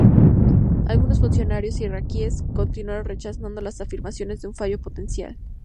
Algunos funcionarios iraquíes continuaron rechazando las afirmaciones de un fallo potencial.